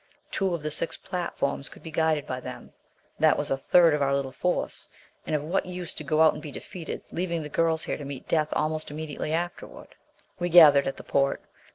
Two of the six platforms could be guided by them. That was a third of our little force! And of what use to go out and be defeated, leaving the girls here to meet death almost immediately afterward? We gathered at the port.